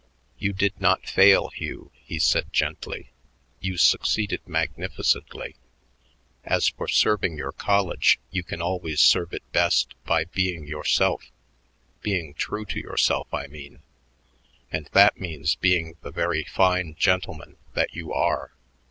"You did not fail, Hugh," he said gently; "you succeeded magnificently. As for serving your college, you can always serve it best by being yourself, being true to yourself, I mean, and that means being the very fine gentleman that you are."